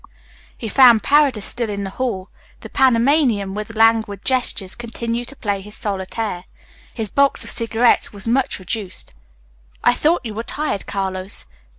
He found Paredes still in the hall. The Panamanian, with languid gestures, continued to play his solitaire. His box of cigarettes was much reduced. "I thought you were tired, Carlos."